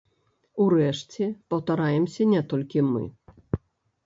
Урэшце, паўтараемся не толькі мы.